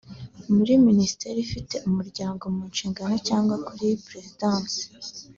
muri Minisiteri ifite umuryango mu nshingano cyangwa kuri Perezidansi